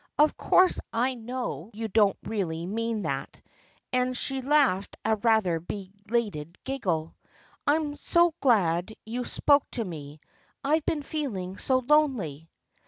" Of course I know you don't really mean that !" and she laughed a rather belated giggle. 1 1 I'm so glad you spoke to me. I've been feeling so lonely."